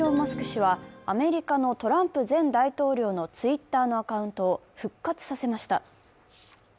氏は、アメリカのトランプ前大統領のＴｗｉｔｔｅｒのアカウントを復活させました。